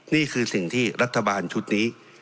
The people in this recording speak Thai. นี่คือสิ่งที่รัฐบาลชุดนี้